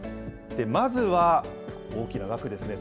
まずは、大きな額ですね。